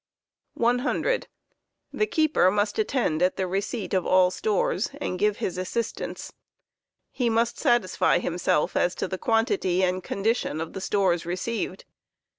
t^t^S5cofpt«f 100 TJi e keeper must attend at the receipt of all stores, and give his assistance; stores. roc0 p he must satisfy himself as to the quantity and condition of the stores received.